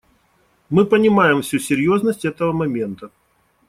Мы понимаем всю серьезность этого момента.